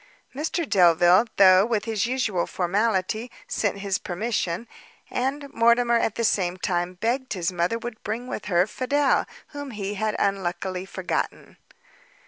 Mr Delvile, though with his usual formality, sent his permission; and Mortimer at the same time, begged his mother would bring with her Fidel, whom he had unluckily forgotten.